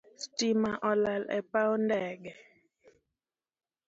Stima olal e paw ndege